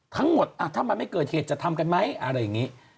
ทั้งหมดถ้ามันไม่เกิดเหตุจะทำกันไหมอะไรอย่างนี้